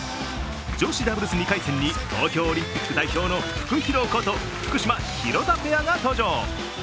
女子ダブルス２回戦に東京オリンピック代表のフクヒロこと福島・廣田ペアが登場。